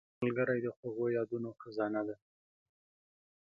ملګری د خوږو یادونو خزانه ده